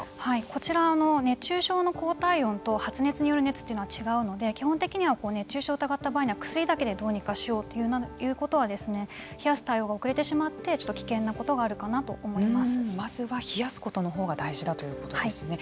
こちら熱中症の高体温と発熱による熱というのは違うので基本的には熱中症を疑った場合には薬だけでどうにかしようということは冷やす対応が遅れてしまってちょっと危険なことがあるかなとまずは冷やすことのほうが大事だということですね。